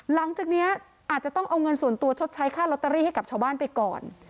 หลังจากนี้อาจจะต้องเอาเงินส่วนตัวชดใช้ค่าลอตเตอรี่ให้กับชาวบ้านไปก่อน